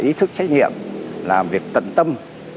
ý thức trách nhiệm làm việc tận tâm